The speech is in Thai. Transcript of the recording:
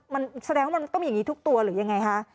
มันแสดงว่ามันต้องมีอย่างนี้ทุกตัวหรือยังไงคะ